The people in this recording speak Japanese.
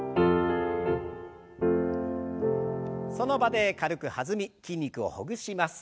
その場で軽く弾み筋肉をほぐします。